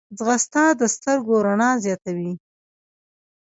ځغاسته د سترګو رڼا زیاتوي